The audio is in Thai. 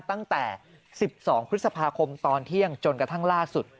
ตั้งแต่๑๒พฤษภาคมตอนเที่ยงจนกระทั่งล่าสุด